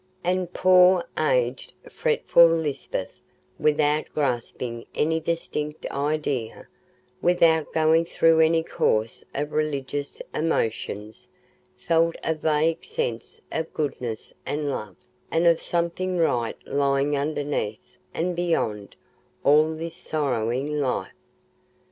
And poor, aged, fretful Lisbeth, without grasping any distinct idea, without going through any course of religious emotions, felt a vague sense of goodness and love, and of something right lying underneath and beyond all this sorrowing life.